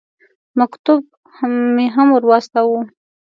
مکتوب مې هم ور واستاوه.